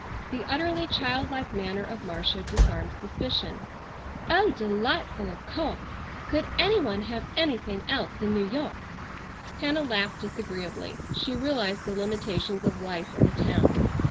The utterly child like manner of Marcia disarmed suspicion. "Oh, delightful, of course. Could any one have anything else in New York?" Hannah laughed disagreeably. She realized the limitations of life in a town.